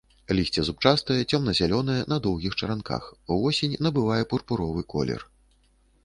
Лісце зубчастае, цёмна-зялёнае, на доўгіх чаранках, увосень набывае пурпуровы колер.